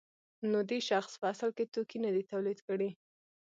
نو دې شخص په اصل کې توکي نه دي تولید کړي